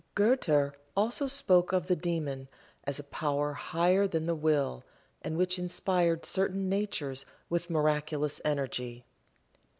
Goethe also spoke of the daemon as a power higher than the will, and which inspired certain natures with miraculous energy.